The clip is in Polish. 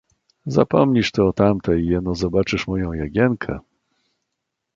"Zapomnisz ty o tamtej, jeno zobaczysz moją Jagienkę."